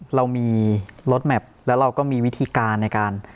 เรามีรถแมพแล้วเราก็มีวิธีการในการ